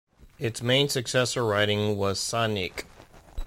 Its main successor-riding was Saanich.